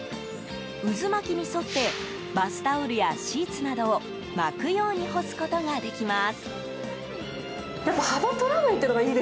渦巻きに沿ってバスタオルやシーツなどを巻くように干すことができます。